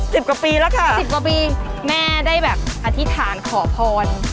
สิบกว่าปีแล้วค่ะสิบกว่าปีแม่ได้แบบอธิษฐานขอพร